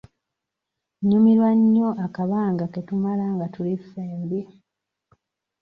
Nnyumirwa nnyo akabanga ke tumala nga tuli ffembi.